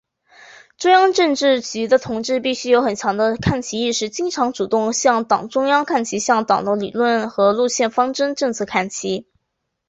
中央政治局的同志必须有很强的看齐意识，经常、主动向党中央看齐，向党的理论和路线方针政策看齐。